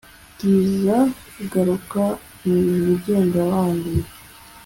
Bwiza garuka mwijuru genda wanduye